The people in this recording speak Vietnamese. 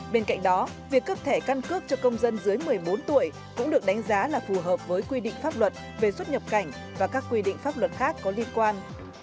bên cạnh đó việc cấp thẻ căn cước cho công dân dưới một mươi bốn tuổi cũng được đánh giá là phù hợp với quy định pháp luật về xuất nhập cảnh và các quy định pháp luật khác có liên quan